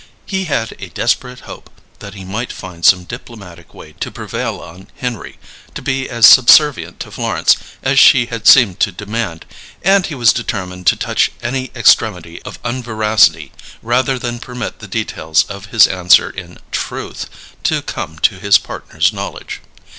He had a desperate hope that he might find some diplomatic way to prevail on Henry to be as subservient to Florence as she had seemed to demand, and he was determined to touch any extremity of unveracity, rather than permit the details of his answer in "Truth" to come to his partner's knowledge.